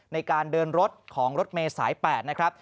ในการเดินรถของรถเมย์สาย๘นะครับ